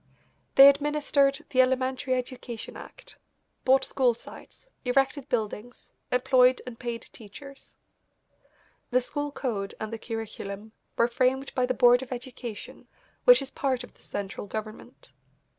They administered the Elementary Education Act, bought school sites, erected buildings, employed and paid teachers. The school code and the curriculum were framed by the Board of Education, which is part of the central government.